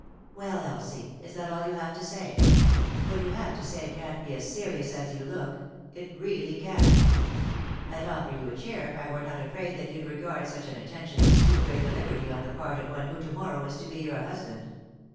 " Well, Elsie, is that all you have to say ? What yon have to say can't be as serious as you look — it really can't I'd offer you a chair if I were not afraid that you'd regard such an attention as too great a liberty on the part of one who to morrow is to be your husband."